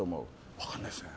分かんないですね。